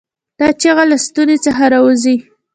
دا چیغه له ستونې څخه راووځي.